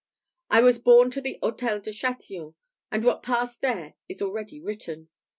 I was borne to the Hôtel de Chatillon, and what passed there is already written.